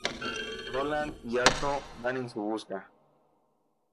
Roland y Acho van en su busca.